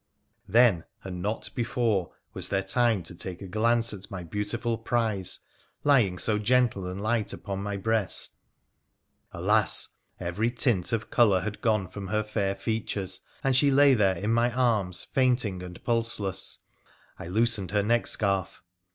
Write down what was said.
Then, and not before, was there time to take a glance at my beautiful prize, lying so gentle and light upon my breast. Alas ! every tint of colour had gone from her fair features, and she lay there in my arms, fainting and pulseless. I loosened her neckscarf.